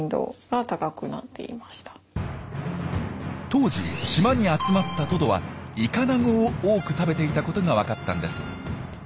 当時島に集まったトドはイカナゴを多く食べていたことが分かったんです。